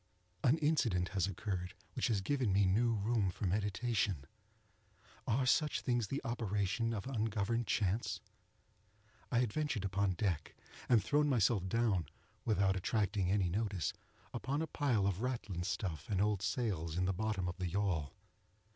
An incident has occurred which has given me new room for meditation. Are such things the operation of ungoverned chance? I had ventured upon deck and thrown myself down, without attracting any notice, among a pile of ratlin stuff and old sails in the bottom of the yawl.